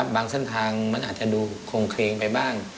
บางเส้นทางมันอาจจะดูโครงเครงไปบ้าง